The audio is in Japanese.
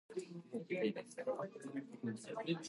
雨が降りそうな空ですね。